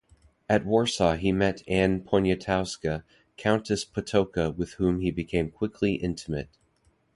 At Warsaw he met Anne Poniatowska, Countess Potocka with whom he quickly became intimate.